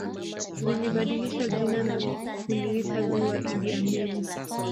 Zilibadilisha jina na kuliita Ziwa Idi Amin